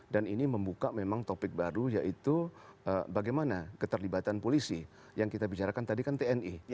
dan ini membuka memang topik baru yaitu bagaimana keterlibatan polisi yang kita bicarakan tadi kan tni